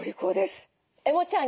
エモちゃん